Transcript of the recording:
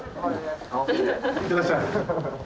いってらっしゃい！